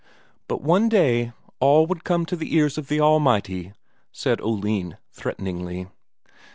But one day all would come to the ears of the Almighty, said Oline threateningly.